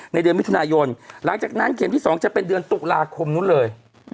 เดือนมิถุนายนหลังจากนั้นเข็มที่๒จะเป็นเดือนตุลาคมนู้นเลย